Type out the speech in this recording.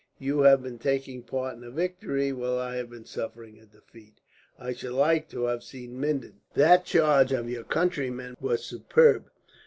"You have been taking part in a victory, while I have been suffering a defeat. I should like to have seen Minden. That charge of your countrymen was superb.